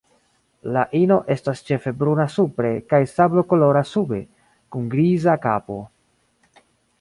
La ino estas ĉefe bruna supre kaj sablokolora sube, kun griza kapo.